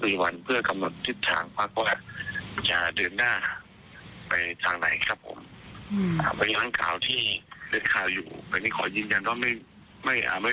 แต่นี่ขอยืนยันว่าไม่เป็นความจริงครับผม